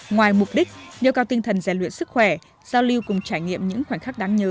ngoài mục đích nêu cao tinh thần rèn luyện sức khỏe giao lưu cùng trải nghiệm những khoảnh khắc đáng nhớ